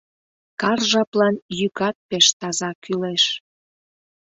Кар жаплан йӱкат пеш таза кӱлеш.